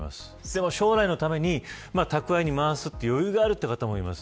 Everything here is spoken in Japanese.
でも将来のために蓄えに回す余裕がある方もいます。